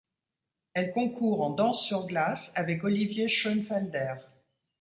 Elle concourt en danse sur glace avec Olivier Schoenfelder.